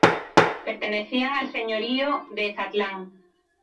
Pertenecían al señorío de Etzatlán.